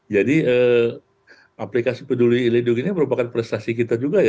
jadi aplikasi peduli lindungi ini merupakan prestasi kita juga